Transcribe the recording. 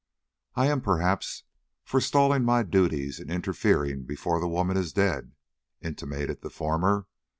"I am, perhaps, forestalling my duties in interfering before the woman is dead," intimated the former.